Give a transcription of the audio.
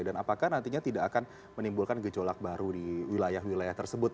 dan apakah nantinya tidak akan menimbulkan gejolak baru di wilayah wilayah tersebut